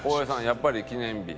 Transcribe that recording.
やっぱり記念日。